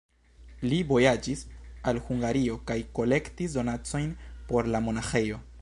Li vojaĝis al Hungario kaj kolektis donacojn por la monaĥejo.